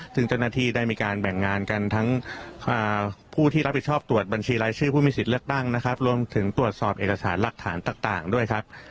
ซึ่งเจ้าหน้าที่ได้มีการแบ่งงานกันทั้งผู้ที่รับผิดชอบตรวจบัญชีรายชื่อผู้มีสิทธิ์เลือกตั้งนะครับรวมถึงตรวจสอบเอกสารหลักฐานต่างด้วยครับ